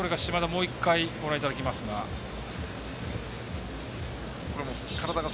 もう１回ご覧いただきますが。